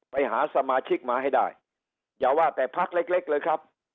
ไปหาสมาชิกมาให้ได้อย่าว่าแต่พักเล็กเลยครับ